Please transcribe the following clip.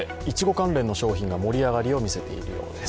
関連の商品が盛り上がりを見せているようです。